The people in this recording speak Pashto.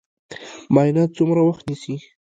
معاینات څومره وخت نیسي؟